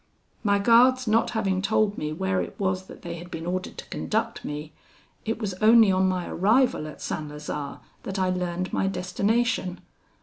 "My guards not having told me where it was that they had been ordered to conduct me, it was only on my arrival at St. Lazare that I learned my destination.